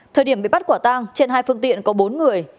thời điểm bị bắt quả tang trên hai phương tiện có bốn người